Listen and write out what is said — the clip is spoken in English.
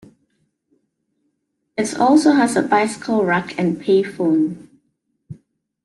It also has a bicycle rack and payphone.